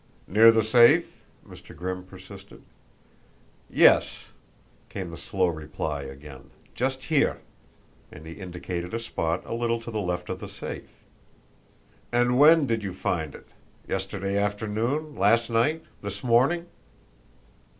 "Near the safe?" Mr. Grimm persisted. "Yes," came the slow reply, again. "Just here," and he indicated a spot a little to the left of the safe. "And when did you find it? Yesterday afternoon? Last night? This morning?"